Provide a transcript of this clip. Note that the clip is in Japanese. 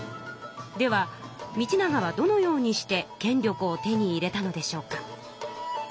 では道長はどのようにして権力を手に入れたのでしょうか。